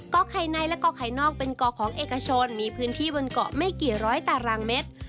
อกไข่ในและก่อไข่นอกเป็นก่อของเอกชนมีพื้นที่บนเกาะไม่กี่ร้อยตารางเมตร